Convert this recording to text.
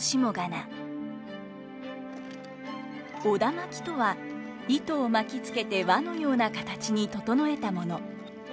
「苧環」とは糸を巻きつけて輪のような形に整えたもの。